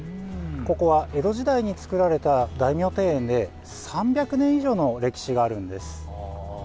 ここは江戸時代に作られた大名庭園で３００年以上の歴史があるんです。